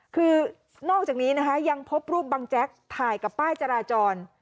คือนอกจากนี้นะคะยังพบรูปบังแจ๊กถ่ายกับป้ายจราจร